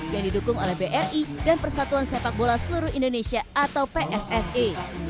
yang didukung oleh bri dan persatuan sepak bola seluruh indonesia atau pssi